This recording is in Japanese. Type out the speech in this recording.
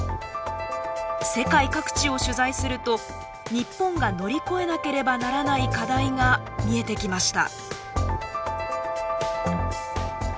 世界各地を取材すると日本が乗り越えなければならない課題が見えてきました。